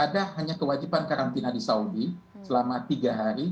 ada hanya kewajiban karantina di saudi selama tiga hari